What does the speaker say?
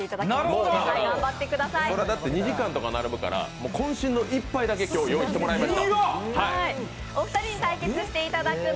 それはだって２時間とか並ぶからこん身の一杯だけ今日は用意していただきました。